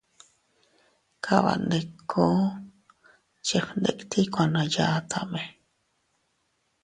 Kabandikku chefgnditiy kuana yatame.